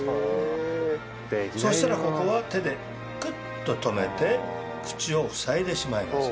そうしたらここは手でクッと留めて口を塞いでしまいます。